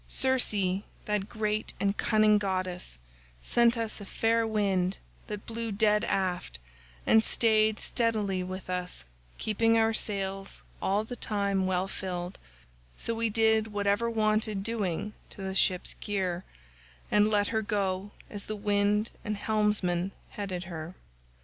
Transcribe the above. Circe, that great and cunning goddess, sent us a fair wind that blew dead aft and staid steadily with us keeping our sails all the time well filled; so we did whatever wanted doing to the ship's gear and let her go as the wind and helmsman headed her.